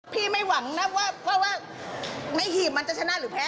ไม่หวังนะว่าในหีบมันจะชนะหรือแพ้